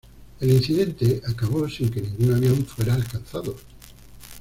El incidente acabó sin que ningún avión fuera alcanzado.